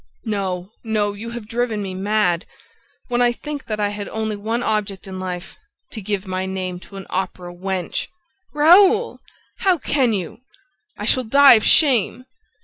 "No, no, you have driven me mad! When I think that I had only one object in life: to give my name to an opera wench!" "Raoul! ... How can you?" "I shall die of shame!"